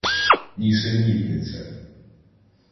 Нісенітниця!